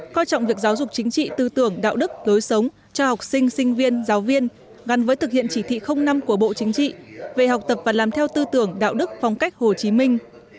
coi trọng việc giáo dục chính trị tư tưởng đạo đức lối sống cho học sinh sinh viên giáo viên gắn với thực hiện chỉ thị năm của bộ chính trị về học tập và làm theo tư tưởng đạo đức phong cách hồ chí minh